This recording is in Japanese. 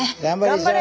頑張れ！